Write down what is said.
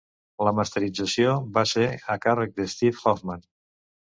La masterització va ser a càrrec d'Steve Hoffman.